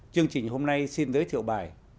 chương trình hôm nay xin giới thiệu bài